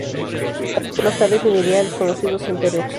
Más tarde se uniría a los conocidos Emperor.